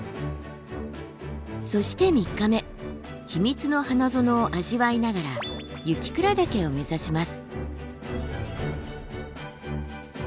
そして３日目秘密の花園を味わいながら雪倉岳を目指します。